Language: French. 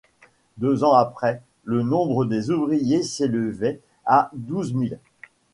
Deux ans après, le nombre des ouvriers s'élevait à douze mille.